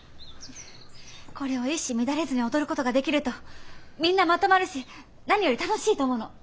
これを一糸乱れずに踊ることができるとみんなまとまるし何より楽しいと思うの。